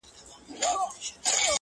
هر مېړه یې تر برېتو په وینو سور دی-